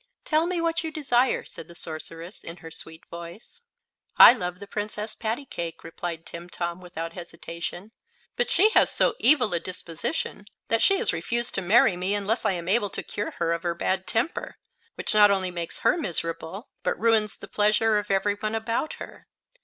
"Tell me what you desire," said the sorceress, in her sweet voice. "I love the Princess Pattycake," replied Timtom, without hesitation. "But she has so evil a disposition that she has refused to marry me unless I am able to cure her of her bad temper, which not only makes her miserable but ruins the pleasure of every one about her.